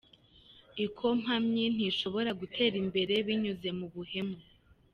Ikompamyi ntishobora gutera imbere binyuze mu buhemu.